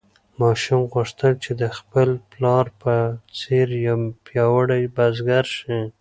ماشوم غوښتل چې د خپل پلار په څېر یو پیاوړی بزګر شي.